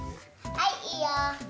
はいいいよ。